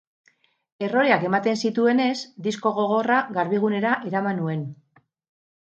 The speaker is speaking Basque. Erroreak ematen zituenez, disko gogorra Garbigunera eraman nuen.